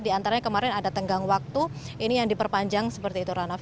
diantaranya kemarin ada tenggang waktu ini yang diperpanjang seperti itu arnav